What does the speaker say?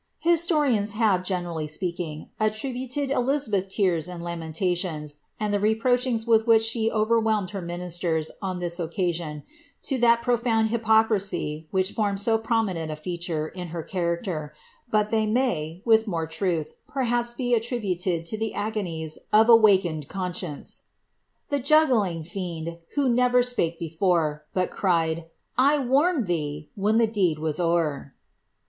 IGm* risns have, generally sprakina. atTnouieci Elizabeth'? tr ar? and lamerris lions. and the reproaches with which she overwhelmed hor minister on this occasion, lo that profound hypocrisy which formed so prominent i feature in her character ; but they may, with more imth, perhaps it Bitribnled lo the agonies of awakened conscience :■^ TliB jiieeliiE Gcml, wbo aeTcc spake bf foic. But cticil, ' I warned ihee !' when the deed was o'er."